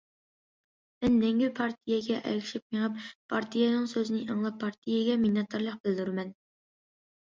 مەن مەڭگۈ پارتىيەگە ئەگىشىپ مېڭىپ، پارتىيەنىڭ سۆزىنى ئاڭلاپ، پارتىيەگە مىننەتدارلىق بىلدۈرىمەن.